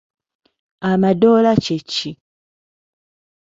Amadoola kye ki?